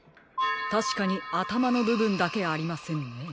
たしかにあたまのぶぶんだけありませんね。